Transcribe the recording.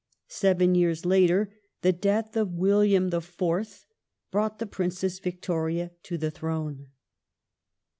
Seven years later the death of William IV. brought the Princess Victoria to the throne.